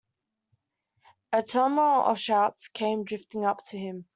A tumult of shouts came drifting up to him.